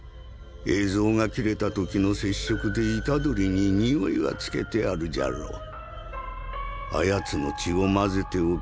映像が切れたときの接触で虎杖に匂いはつけてあるじゃろう。